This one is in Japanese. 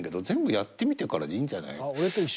俺と一緒。